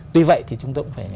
tuy vậy thì chúng tôi cũng phải